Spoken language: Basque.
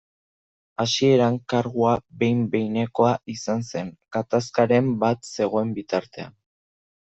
Hasieran kargua behin-behinekoa izan zen, gatazkaren bat zegoen bitartean.